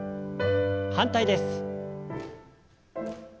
反対です。